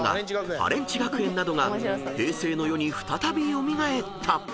『ハレンチ学園』などが平成の世に再び蘇った］